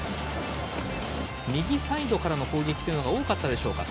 右サイドからの攻撃というのが多かったでしょうか。